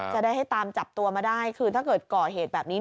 จะได้ให้ตามจับตัวมาได้คือถ้าเกิดก่อเหตุแบบนี้